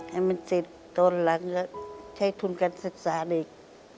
ให้มันสิทธิ์ต้นหลังใช้ทุนการศึกษาเนี่ย